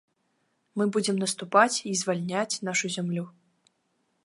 Мы будзем наступаць і звальняць нашу зямлю.